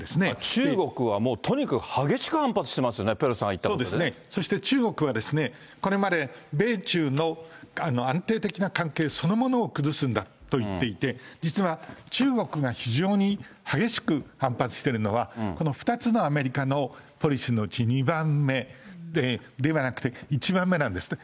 中国はもう、とにかく激しく反発してますよね、そうですね、そして中国は、これまで米中の安定的な関係そのものを崩すんだと言っていて、実は中国が非常に激しく反発してるのは、この２つのアメリカのポリシーのうち２番目、ではなくて、１番目なんですね。